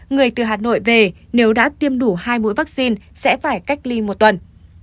người từ hà nội về nếu đã tiêm đủ hai mũi vaccine sẽ phải cách ly một tuần